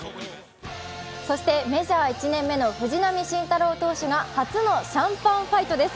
そしてメジャー１年目の藤浪晋太郎投手が初のシャンパンファイトです。